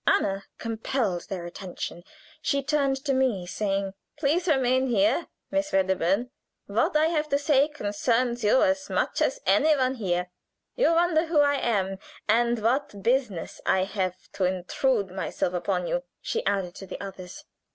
Anna compelled their attention; she turned to me, saying: "Please remain here, Miss Wedderburn. What I have to say concerns you as much as any one here. You wonder who I am, and what business I have to intrude myself upon you," she added to the others.